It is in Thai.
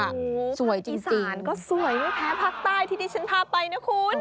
โอ้โฮภาพอีสานก็สวยไม่แพ้ภาคใต้ทีนี้ฉันพาไปนะคุณ